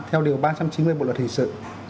theo điều ba trăm chín mươi bộ luật hình sự